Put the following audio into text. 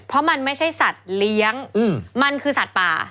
เพราะมันไม่ใช่สัตว์เลี้ยงมันคือสัตว์ป่า